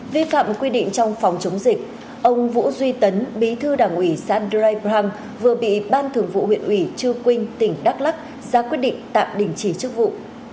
vi phạm quy định trong phòng chống dịch ông vũ duy tấn bí thư đảng ủy xã draypram vừa bị ban thường vụ huyện ủy chư quynh tỉnh đắk lắc ra quyết định tạm đình chỉ chức vụ